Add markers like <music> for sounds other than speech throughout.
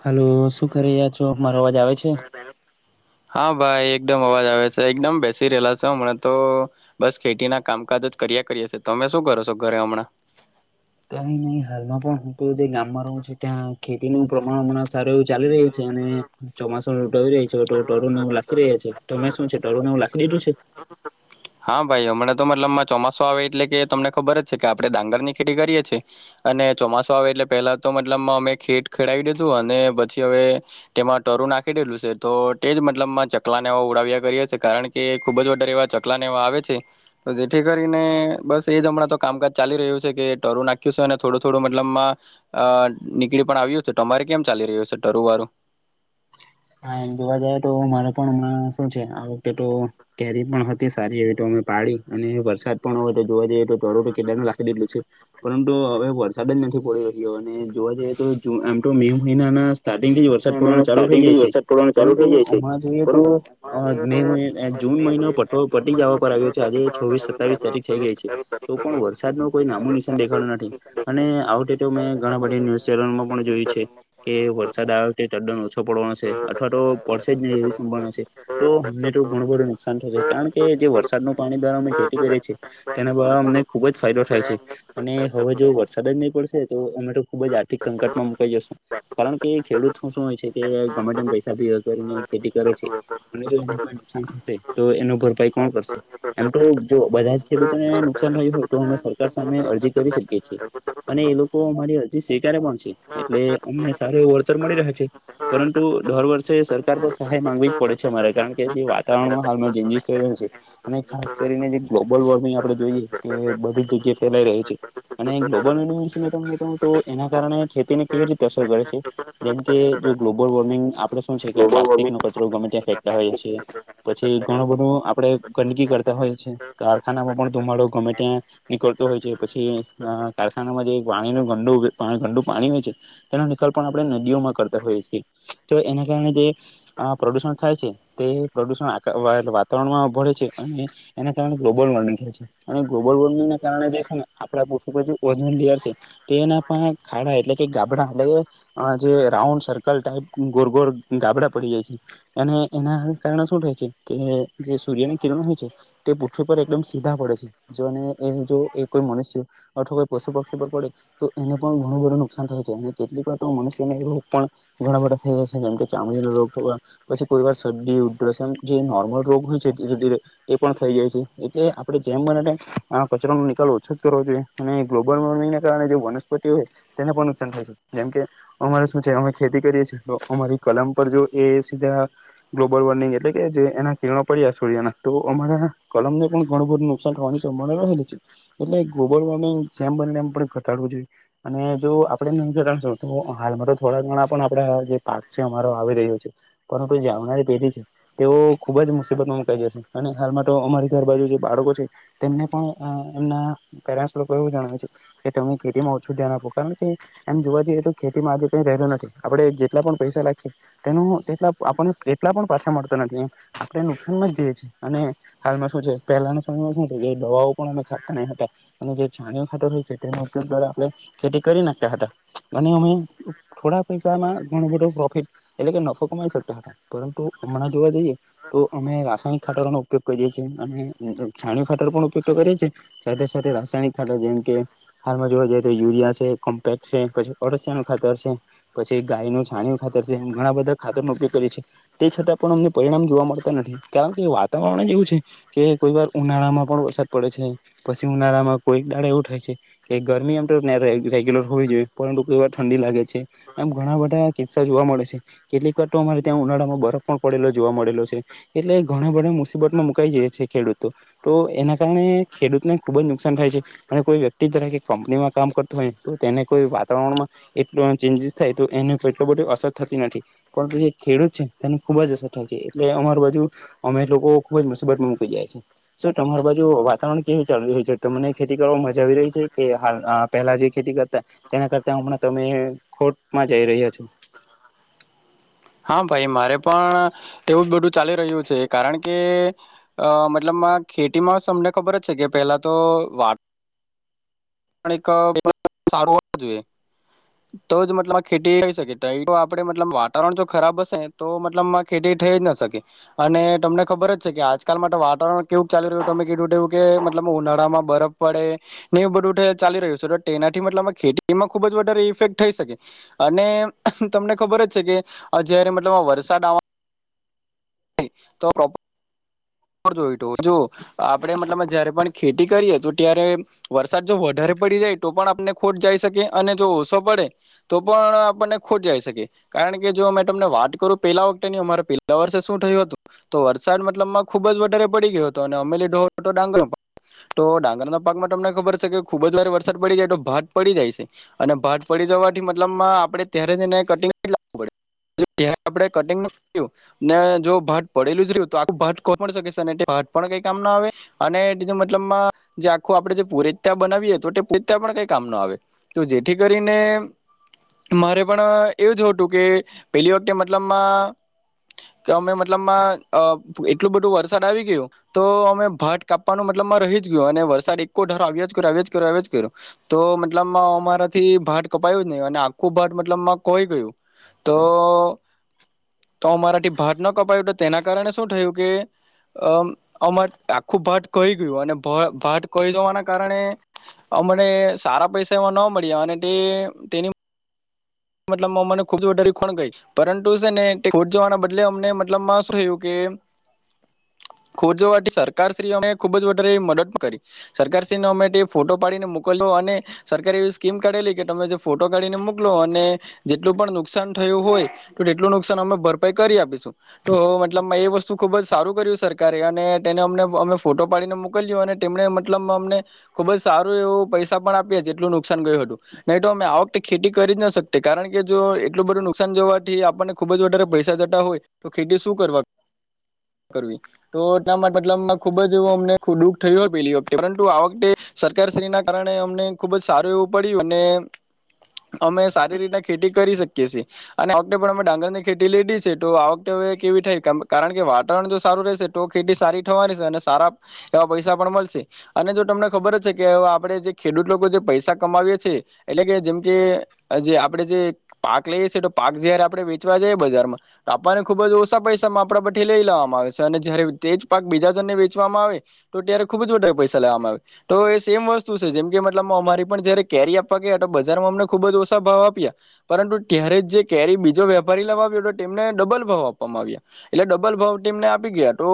હાલો શું કરી રહ્યા છો! મારો અવાજ આવે છે? હા ભાઈ એકદમ અવાજ આવે છે, એકદમ બેસી રહેલા છે હમણાં તો બસ ખેતીના કામકાજ જ કીયા કરીશે, તમે શું કરો છો ઘરે હમણાં? <unintelligible> કઈ નહી હાલમાં પણ હું તો જે ગામમાં રહું છું, ત્યાં ખેતી નું પ્રમાણ હમણા સારું ચાલી રહી છે અને ચોમાસાની ઋતુ આવી રહી છે અવે તો. તરુંને એવું લાખી રહ્યા છે, તમે શું છે તરું એવું લખી દીધું છે? હા ભાઈ હમણાં તો મતલબમાં ચોમાસો આવે એટલે કે તમને ખબર જ છે કે, આપણે ડાંગર ની ખેતી કરીએ છીએ અને ચોમાસું આવે એટલે પહેલા તો મતલબ મા અમે ખેટ ખેડવી દીધું, અને પછી હવે તેમાં તરુ નાખી તો તે જ મતલબમાં ચકલાને ઉડાવ્યા કરીએ હ છે કારણ કે ખુબ જરવા પલા ને એવા આવે છે તો જેથી કરીને બસ એ જ હમણાં તો કામકાજ ચાલી રહ્યું છે કે ટરું નાખ્યું છે થોડું થોડું મતલબમાં અ નીકળી પણ આવ્યું છે તો અમારે કેમ ચાલી રહ્યું હ છે ટરું વારું હ હા એમ જોવા જ તો મારે પણ હમણાં શું છે આ વખતે તો કેરી પણ હતી સારી એવી તો અમે પાડી અને વરસાદ પણ તો જોવા જઈએ તો ધરો તો કેદાર નાખી દેધું છે પરંતુ હવે વરસાદ જ નથી પડી રહ્યો અને જોવા જએ તો જ આમ તો મે મહિના ના સ્ટાર્ટિંગ થી જ વરસાદ પડવાનું ચાલુ થઇ જાય છે પરંતુ હણા જોઈએ તો મે જૂન મહિનો પ પટી જવા પર આવ્યો છે આજે છવીસ સતાવીસ તારીખ થઈ ગઈ છે તો પણ વરસાદ ન કોઈ નામું નિશાન દેખાડો નથી અને તો મેં ઘણા બધી ન્યુઝ ચેનલમાં પણ જોયું છે કે વરસાદ આવે્યો તે ટદ્દન ઓછો પડવાનો છે અથવા તો પડશે જ નહી એવી સંભાવના છે તો અમને તો ઘણું બધું નુકસાન થશે કારણ કે જે વરસાદ ન પાણી દ્વારા અમે જે કરીએી તેના દ્વા અમને ખુબ જ ફાયદો થાય છે અને હવે જો વરસાદ જ નહીં પડ તો અમે તો ખુબ જ આર્થિક સંકટમાં મુકાઈ જશું કારણ કે ખેડૂતું શું હોય છે કે ગમે કરી ખેતી કરે છે અને જો એને કો નુકસાન થશે તો એ ભરપાઈ કોણ કરશે એમ તો જો બધા ખેડૂતોને નુકસાન થયું હોય તો અમે સરકાર સામે અરજી કરી શકીએ છીએ અને એ લોકો અમારી હજી સ્વીકારે પણ છે એટલે અમને સારું એવ વળતર મળી રહ્યા છે પરંતુ દર વર્ષે સરકાર પર સહાય માંગવી જ પડે છે અમારે કારણ કે જે વાતાવરણમાં હાલ મે ીિસ થય નથી અને ખાસ કરીને જે ગ્લોબલ વોર્મિંગ આપડે જોઈએ કે બધી જ જગ્યાએ ફેલાઈ રહી છે અને ગ્લોબલ વોર્મિંગ વિ તો એના કારણે ખેતીને કેવી રીતે અસર કરે છે જેમ કે જો ગ્લોબલ વોર્મિંગ આપડણે શું છે કે પ્લાસ્ટિકો કચરો ગમે ત્યાં ફેકતા હોએ છીએ પછી ઘણું બધું આપડે ગંદકી કરતા હોય છે કારખાનામાં પણ ધુમાડો ગમે ત્યાં નીકળ હોય છે પછી કારખાનામાં જે પાણી નું ગંડું પાણી હોય છે તેનો નિકલ પણ આપણે નદીઓમાં કરતા હોઈએ છીએ તો એના કારણે જે પ્રદુષણ થાય છે તે પ્રદુષણ વાતાવરણમાં ભળે છે એના કારણે ગ્લોબલ વોર્મિંગ થાય છે અને ગ્લોબલ વોર્મિંગને કારણે જે છે ને આપડા પશુછ ઓજ ના ખાડા એટલે કે ગાડા એટલે જે રાઉન્ સર્કલ ટપ ગોર ગોર ગાબડા પડી જાય છે અને એના કારણે શું થ છે કે જે સૂર્યને કિ તે પૃથ્વી પર એકમ સીધા પડે છેને જો કોઈ મનુષ્ય અથવા કોઈ પશુ ક્ષ પડે તો એને પણ ઘણું બધું નુકસાન થે છે અને કેટલીક વા મનુષ્ય રોગ પણ ઘણા બધા થઈ જેમ કે ચામડી રોગ થ પછી કોઈર શરદી ઉર જે નોર્મલ રોગ હોય છે એ પણ થઈ જાય છે એટલે આપડણે જેમ બનેને કચરાનોો નિકાલ ઓછો જ કરવો જોઈએ અને ગ્લોબલ કારણે વનસ્પતિ હોય તેને પણ નુકસાન થાય છે જેમ કે અમારે શું છે અમે ખેતી કરીએ છીએ તો અમારી કલમ પર જો એ સીધા ગ્લોબલ વોર્મિંગ એટલે કે જે એના કિરણો પડ્યા સૂર્યના તો અમારા કલમ ને પણ ઘણું બધું નુકસાન થવાનીમા રહેલી છે એટલે ગ્લોબલ વોર્મિંગ જેમ ઘટાડું જોઈએ અને જો આપણે તો હાલમાં તો થોડા ઘણા પણ આપડા પાક છે અમારો આવી રહ્યો છે પરંતુ જે આવનારી પેઢી છે તેઓ ખુબ જ મુસીબત માં મ ક જશે હાલમાં તો અમારી ઘર બાજુ જે બાળકો છે તેમને પણ એમના પેરેસ લોકો એવું જણાવે છે કે તમે ખેતી માં ઓછું ધ્યાન આપો કારણ કે એમ જોવા જઈએ તો ખેતી માં આજે કઈ રહેલું નથી આપડે એટલા પણ પૈસા લખીએ તેનોલા આપણને એટલા પણ પાછા મળતો નથી એમ આપણે નુકસાનમાં જઈએ છીએ અને હાલમાં શું છે પહેલાના સમયમાં શું કે દવાઓ પણ અમે છાતા નહી હતા અને જે છણી ખાતર હોય છે તેગ દ્વારા આપણે ખેતી કરી નાખતા હતા અને અમે થોડા પૈસામાં ઘણું બધો પ્રોફિટ એટલે કે નસો કમાઈ શકતા હતા પરંતુ હમણાં જોવા જઈએ તો અમે રાસાયણિક ખાટાનો ઉપયોગ કરીએ અને છાણી ફાટર પણ ઉપયોગ કરીએેીએ સાથે સાથે રાસાયણિક ખાટર જેમ કે હાલમાં જોવા જઈએ તો યુરિયા છે કોમ્પેક્ટ છે પછી ઓડશિયા નું ખાતર છે પછી ગાય ન ણી ખાતર છે ઘણા બધા ખાતર નો ઉપયોગ કરીે છે તે છતાં પણ અમને પરિણામ જોવા મળતા નથી કારણ કે વાત વાતાવરણ જ એવું છે કે કોઈ વાર ઉનાળામાં પણ વરસાદ પડે છે પછી ઉનાળા માં કોઈક દાળ એવું થાય છે કે ગરમી એમ તો રેગ્યુલર હોવી જોઈએ પરંતુ ક વાર ઠંડી લાગે છે એમ ઘણા બધા કિસા જોવા મળે છે કેટલીક વાર તો અમારે ત્યાં ઉનાળા માં બરફ પણ પડેલો જોવા મળેલો છે એટલે ઘણા બધું મુસીબતમાં મુકાઈ જ છે ખેડૂતો તો એના કારણે ખેડૂતને ખુબ જ નુકસાન થાય છે અને કોઈ વ્યક્તિ કંપનીમાં કામ કરતો હોય તો તેને કોઈ વાતાવરણમાં એટલો ચેન્જીસ થાય તો એને ધી અસર થતી નથી પરંતુ જે ખેડૂત છે તેને ખુબ જ અસર થાય છે એટલે અમાર બાજુ અમે લોકો ખુબ જ મુસીબતમાં મૂકી જાય છે તમારી બાજુ વાતાવરણ કેવી ચાલુ રહ્યું છે તમને ખેતી કરવા મજા આવી કે પેલા જે ખેતી કરતા તેના કરતા હણાં તમે ખોટમાં જઈ રહ્યા છો <inaudible> હા ભાઈ મારે પણ એવું બધું ચાલી રહ્યું છે કારણ કે મતલબમાં ખેતીમાં તમને ખબર જ છે કે પહેલા તો વા પણ સારું હોવ જોઈએ તો જ મતલબ ખેતી આવી શકે તો આપડે મતલબ વાતાવરણ જો ખરાબ હશે તો મતલબ ખેતી થઈ જ ના શકે અને તમને ખબર જ છે કે આજકાલ માટે વાતાવરણ કેવું ચાલી રહ્યું તમે કીધું તેવું કે એ ઉનાળા માં બરફ પડે ને એવું બધું ચાલી રહ્યું છે તો તેનાથી મતલબ ખેતીમાં ખુબ જ વધારે ઇફેક્ટ થઈ શકે અને તમને ખબર જ છે કે જ્યારે મતલબ આ વરસાદ આવા તો <unintelligible> જો જો આપડે મતલબ જયારે પણ ખેતી કરીએ તો ત્યારે વરસાદ જો વધારે પડી જાય તો પણ આપને ખોટ જાય શકે અને જો ઓછો પડે તો પણ આપને ખોટ જાય શકે કારણ કે જો મેં તમને વાત કરું પેલા વખતે ની અમારે પેલા વર્ષે શું થયું હતું તો વરસાદ મતલબમાં ખુબ જ વધારે પડી ગયો હતો અને અમેલી ઢોળ હતો ડાંગરો પણ તો ડાંગરના પાકમાં તમને ખબર છે કે ખુબ જ વાર વરસાદ પડી જાય તો ભાત પડી જાય છે અને ભાત પડી જવાથી મતલબમાં આપણે ત્યારે ને કટીંગ લઈ લેવું પડે આપે કટીંગ ને જો ભાત પડેલું જ રહ્યું તો આખું ભાત હ પણ કઈ કામ ના આવે અને બીજું મતલબ જે આખું આપડે જે પુરે્યા બનાવી તો પછતા પણ કઈ કામ ન આવે તો જેથી કરીને મારે પણ એવું જ હતું કે પેલી વખતે મતલબમાં કે અમે મતલબ માં એટલું બધું વરસાદ આવી ગયું તો અમે ભાત કાપવાનો મતલબમાં રહી જ ગયું અને વરસાદ એકકો ધર આવ્યા જ કરે કરે તો મતલબ અમારાથી ભાત કપાયું નહીં અને આખું ભાત મતલબ કોઈ ગયું તો તો મારાથી ભાત ન કપાયું તો તેના કારણે શું થયું કે અ આમાં આખું ભાત કહી ગયું અને ભાત કહી જવાના કારણે મને સારા પૈસા એમાં ન મળ્યા અને તે તેની મતલબ મને ખુબ ડરી ખોણ ગઈ પરંતુ છે ને ખોટ જવાના બદલે અમને મતલબ થયું કે ખોજો સરકારશ્રી અમે ખુબ જારે મદદ કરી સરકારશ્રીને અમે ફોટો પાડીને મોકલ્યો અને સરકારે એવી સ્કીમ કાઢેલી કે તમે જે ફોટો કાઢીને મોકલો અને જેટલું પણ નુકસાન થયું હોય તો તેટલું નુકસાન અમે ભરપાઈ કરી આપીશું તો મતલબ વસ્તુ ખુબ જ સારું કર્યું સરકારે અને તેને અમને અમે ફોટો પાડીને મોકલ્યો અને તેમને મતલબ અમને ખુબ જ સારું એવું પૈસા પણ આપ્યા જેટલું નુકસાન ગયું હતું નહી તો અમે આ વખતે ખેતી કરી જ ન શકતા કારણ કે જો એટલું બધું નુકસાન જોવાથી આપણને ખુબ જ વધારે પૈસા જતા હોય તો ખેતી શું કરવા કરવી તો એના માટે મતલબ ખુબ જ એવું અમને દુઃખ થયું હોય પેલી વખતે પરંતુ આ વખતે સરકારશ્રી ના કારણે અમને ખુબ જ સારું એવું પડ્યું અને અમે સારી રીતે ખેતી કરી શકીએ આવખેતે પણ અમે ડાંગર ની ખેતી લીધી છે તો આ વખતે હવે કેવી થાય કારણ વાતાવરણ જો સારું રહેશે તો ખેતી સારી થવાની છે અને સારા એવા પૈસા પણ મળશે અને જો તમને ખબર છે કે આપડણે જે ખેડૂત લોકો જે પૈસા કમાવીએ છી એ એટલે કે જેમ કે જે આપે જે પાક લઈએ છીએ તો પાક જયારે આપડે વેચવા જઈએ બજાર માં તો આપણને ખુબ જ ઓછા પૈસામાં આપડા લઈ લેવામાં આવે છે અને જયારે તે જ પાક બીજાજનને વેચવામાં આવે તો ત્યારે ખુબ જ વધારે પૈસા લેવામાં આવે તો એ સેમ વસ્તુ છે જેમ કે મતલબ અમારી પણ જયારે કેરી આપવા ગયા તો બજારમાં અમને ખુબ જ ઓછા ભાવ આપ પરંતુ ત્યારે જે કેરી બીજો વેપારી લઈ આવ્યો હતો તેમને ડબલ ભાવ આપવામાં આવ્યા એટલે ડબલ ભાવ તેમને આપી ગયા તો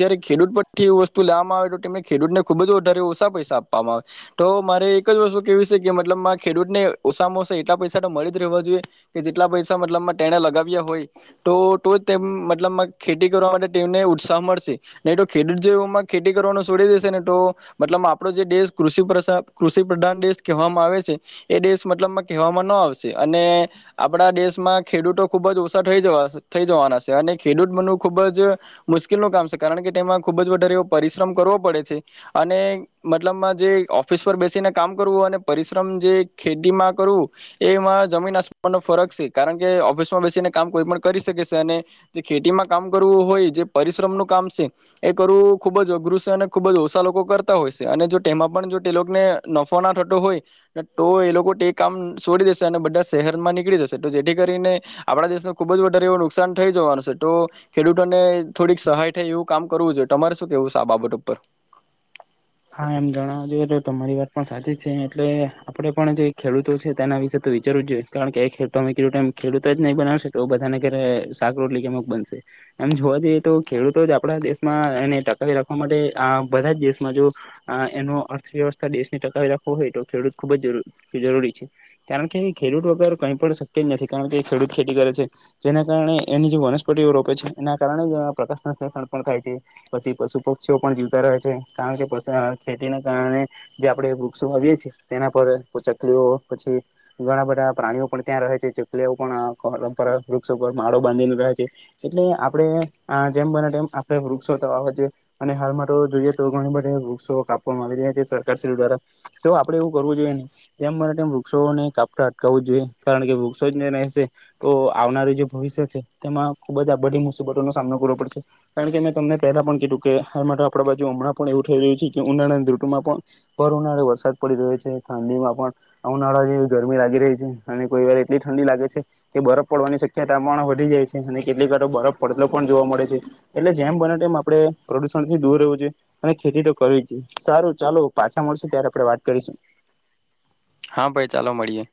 જયારે ખેડૂત પરથી એ વસ્તુ લાવવામાં આવે તો તેમને ખેડૂતને ખુબ જ વધારે પૈસા આપવામાં આવે તો મારે એક જ વસ્તુ કેવી છે કે મતલબમાં ખેડૂતને ઉામાંસા એટલા પસા તો મળ જ જોઈએ કે જેટલા પૈસા મતલબ તેને લગાવ્યા હોય તો મતલ ખેતી કરવા માટે તેમને ઉત્સાહ મળશે નહી તો ખેડૂત જેમાં ખેતી કરવાનો છોડી દેશે ને તો મતલબ આપડો જે દેશ કૃષિ કૃષિ પ્રધાન દેશ કહેવામાં આવે છે એ દેશ મતલબમાં કહેવામાં આવ અને આપડા દેશમાં ખેડૂતો ખુબ જ ઓછા થવા થઈ જવાના છે અને બનવ ખૂબ જ મુશ્કેલ ન કામ છે કારણ કે તેમાં ખૂબ જ વધારે પરિશ્રમ કરવો પડે છે અને મતલબ જે ઓફિસ પર બેસીને કામ કરવું અને પરિશ્રમ જે ખેતીમાં કરવું એમાં જમીન આસમાન ન ફરક છે કારણ કે ઓફિસમાં બેસીને કામ કોઈ પણ કરી શકે છે અને ખેતીમાં કામ કરવું હોય જે પરિશ્રમ નું કામ છે એ કરવું ખુબ જ અઘરું છે અને ખુબ જ ઓછા લોકો તા હોય છે અને જો તેમાં પણ જો તેને નફો ના થતો હોય તો એ લોકો તે કામ છોડી દેશે અને બધા શહેરમાં નીકળી જશે તો જેથી કરીને આપણા દેશ ન ખુબ જ વધારે એવું નુકસાન થઈ જવાનું છે તો ખેડૂતોને થોડીક સહાય થાય એવું કામ કરવું જોઈએ તમારે શું કેવું છે આ બાબત ઉપર <unintelligible> હા એમ જણાવ જોઈએ તો તમારી વાત પણ સાચી છે એટલે આપડે પણ જે ખેડૂતો છે તેના વિશે તો વિચારવું જોએ કારણ કે એ ખેડતો ક રું ટાઈમ ખેડૂતો જ નહી બનાશે તો બધાને ઘરે શાક રોટલી કે અમક બનશે એમ જોવા જઈએ તો ખેડૂતો જ આપડા દેશમાં એને ટકાવી રાખવા માટે આ બધા જ દેશમાં જો આ એનો અર્થવ્યવસ્થા દેશને ટકાવી રાખો હોય તો ખેડૂત ખુબ જ જરૂરી છે કારણ કે ખેડૂત વગર કઈ પણ શક્ય જ નથી કારણ કે ખેડૂત ખેતી કરે છે જેના કારણે એની જે વનસ્પતિઓ રોપે છે એના કારણે જ પ્રકાશ્લેષણ પણ થાય છે પછી પશુ પક્ષીઓ પણ જીવતા રહે છે કારણ કે ખેતીના કારણે જે આપડણે વૃક્ષો આવીએ છીએ તેના પર ચકલીઓ પછી ઘણા બધા પ્રાણીઓ પણ ત્યાં રહે છે ચકલીઓ પણ પરંપરા વૃક્ષ ઉપર માળો બાંધી રહે છે એટલે આપણે જેમ બનેમ આપડે વૃક્ષો થવા હોએ અને હાલમાં તો જોઈએ તોણી બધી વૃક્ષો કાપવામાં આવી રહ્યા છે સરકારશ્રી દ્વારા તો આપડે એવું કરવું જોઈએ નહી જેમ મને તેમ વૃક્ષો કાપ અટકાવું જોઈએ કારણ કે વૃક્ષો જને રહેશે તો આવનારું જે ભવિષ્ય છે તેમાં ખબ જ આ બધી મુસીબતોનોો સામનો કરવો પડશે કાર કે મેં તમને પહેલા પણ કીધું કે માટે આપણા બાજુ હમણાં પણ એવું થઈ રહ્યું છે કે ઉનાળાની ધ્રુટમાં પણ ભર ઉનાળો વરસાદ પડી રહ્યો છે ઠંડીમાં પણ ઉનાળા જે ગરમી લાગી રહી છે અને કોઈ વાર એટલી ઠંડી લાગે છે કે બરફ પડવાની શક્યતામા વધી જાય છે અને કેટલી બરફ પડતો પણ જોવા મળે છે એટલે જેમ બને તેમમ આપે પ્રદુષણ થી દૂર રહેવું છે ખેતી તો કરવી જ સારું ચાલો પાછા મળશ ત્યારે આપણેે વાત કરીશું હા ભાઈ ચાલો મળીએ